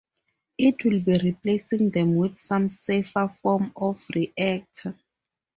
It will be replacing them with some safer form of reactor.